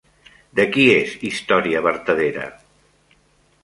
De qui és Història vertadera?